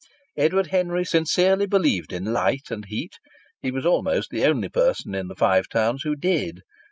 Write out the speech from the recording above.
Edward Henry sincerely believed in light and heat; he was almost the only person in the Five Towns who did.